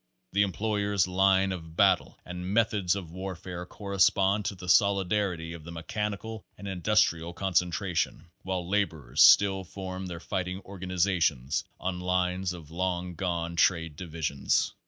The employers' line of battle and meth ods of warfare correspond to the solidarity of the me chanical and industrial concentration, while laborers still form their fighting organizations on lines of long gone trade divisions.